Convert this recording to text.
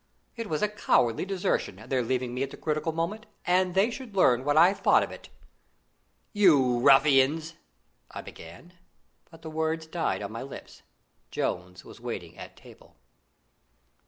It was a cowardly desertion, their leaving me at the critical moment, and they should learn what I thought of it. "You ruffians!" I began; but the words died on my lips. Jones was waiting at table.